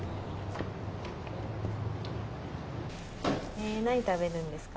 えっ何食べるんですか？